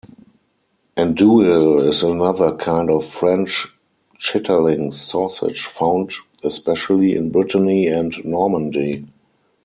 Andouille is another kind of French chitterlings sausage found especially in Brittany and Normandy.